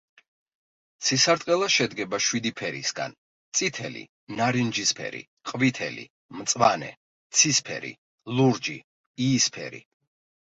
ცისარტყელა შედგება შვიდი ფერისგან: წითელი, ნარინჯისფერი, ყვითელი, მწვანე, ცისფერი, ლურჯი, იისფერი.